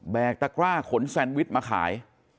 ตะกร้าขนแซนวิชมาขาย